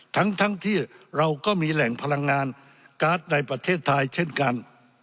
ทั้งที่เราก็มีแหล่งพลังงานการ์ดในประเทศไทยเช่นกัน